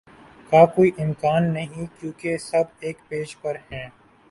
کا کوئی امکان نہیں کیونکہ سب ایک پیج پر ہیں